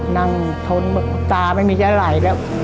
นางทนตราไม่มีแก๊อะไหลแล้ว